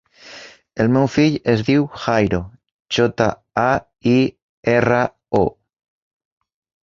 El meu fill es diu Jairo: jota, a, i, erra, o.